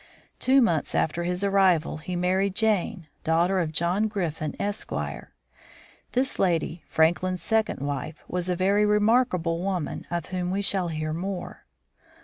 Two months after his arrival he married Jane, daughter of John Griffin, Esq. This lady, Franklin's second wife, was a very remarkable woman, of whom we shall hear more.